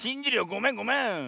ごめんごめん。